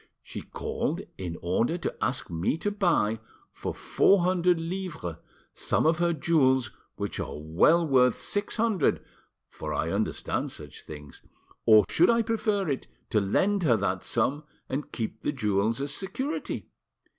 "She called in order to ask me to buy, for four hundred livres, some of her jewels which are well worth six hundred, for I understand such things; or should I prefer it to lend her that sum and keep the jewels as security?